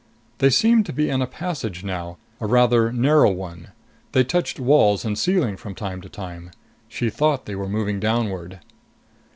They seemed to be in a passage now, a rather narrow one. They touched walls and ceiling from time to time. She thought they were moving downward.